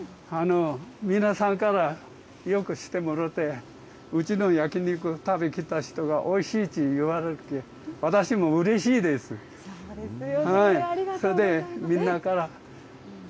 皆さんからよくしてもろて、うちの焼き肉、食べに来た人がおいしいって言われてて、私もうれしいそうですよね。